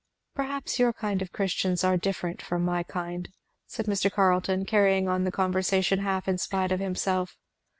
"Perhaps your kind of Christians are different from my kind," said Mr. Carleton, carrying on the conversation half in spite of himself.